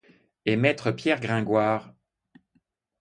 Et maître Pierre Gringoire?